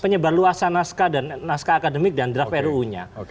penyebar luasa naskah dan naskah akademik dan draft ru nya